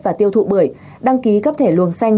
và tiêu thụ bưởi đăng ký cấp thẻ luồng xanh